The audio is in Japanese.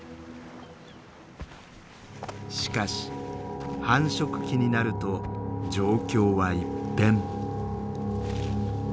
しかし繁殖期になると状況は一変。